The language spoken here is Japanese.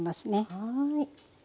はい。